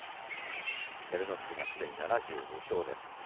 照ノ富士はすでに７２勝です。